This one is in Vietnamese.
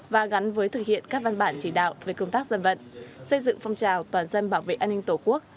và gắn với thực hiện các văn bản chỉ đạo về công tác dân vận xây dựng phong trào toàn dân bảo vệ an ninh tổ quốc